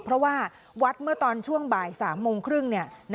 เพราะว่าวัดเมื่อตอนช่วงบ่าย๓โมงครึ่ง